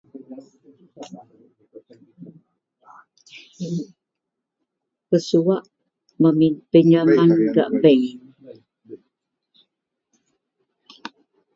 … Wak suwak pinjaman gak bank…. …